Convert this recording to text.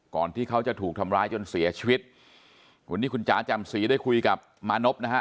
ที่เขาจะถูกทำร้ายจนเสียชีวิตวันนี้คุณจ๋าแจ่มสีได้คุยกับมานพนะฮะ